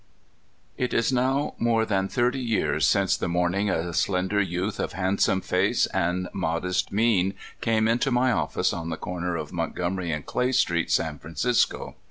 IT is now more than twenty years since the morning a slender youth of handsome face and modest mien carne into my office on the corner of Montgomery and Clay streets, San Francisco.